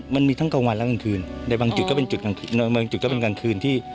มันมีทั้งกว่าแล้วกันคืนในบางจุดก็เป็นกลางคืน